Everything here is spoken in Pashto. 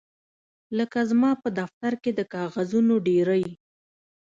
لکه زما په دفتر کې د کاغذونو ډیرۍ